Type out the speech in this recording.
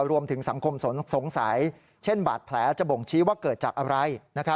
รวมถึงสังคมสงสัยเช่นบาดแผลจะบ่งชี้ว่าเกิดจากอะไร